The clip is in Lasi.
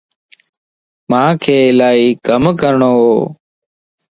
مانک الائي ڪم ڪرڻو وَ